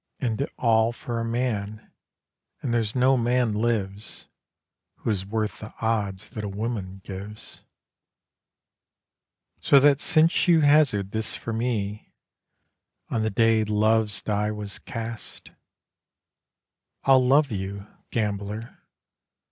(And all for a man; and there's no man lives Who is worth the odds that a woman gives.) So that since you hazarded this for me On the day love's die was cast, I'll love you gambler!